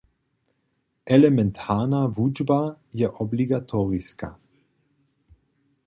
Elementarna wučba je obligatoriska.